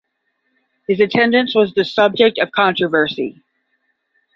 His attendance was the subject of controversy.